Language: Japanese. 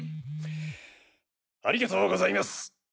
ありがとうございます。